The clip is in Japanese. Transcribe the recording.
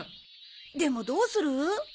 でもどうする？